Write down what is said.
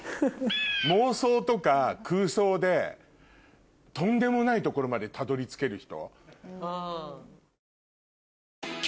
妄想とか空想でとんでもないところまでたどり着ける人。